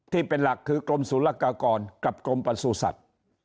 ที่เป็นหลักคือกลมสุรกากรกับกลมประสุทธิ์